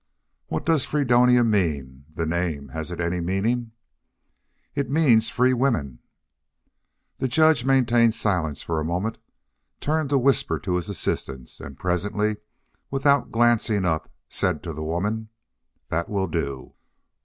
"What does Fre donia mean? The name has it any meaning?" "It means free women." The judge maintained silence for a moment, turned to whisper to his assistants, and presently, without glancing up, said to the woman: "That will do."